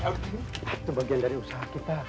itu bagian dari usaha kita